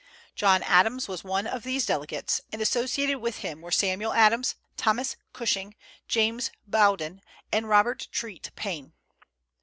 John Adams was one of these delegates, and associated with him were Samuel Adams, Thomas Cushing, James Bowdoin, and Robert Treat Paine.